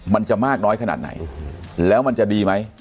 มันจะมากน้อยขนาดไหนแล้วมันจะดีไหม